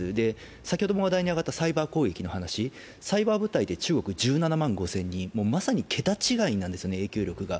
先ほどのサイバー攻撃の話、サイバー部隊では中国は１７万５０００人、まさに桁違いなんですよね、影響力が。